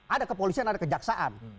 ada kepolisian ada kejaksaan